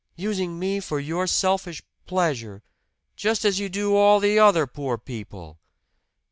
Using me for your selfish pleasure just as you do all the other poor people!"